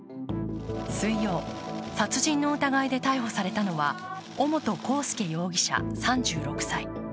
水曜、殺人の疑いで逮捕されたのは尾本幸祐容疑者３６歳。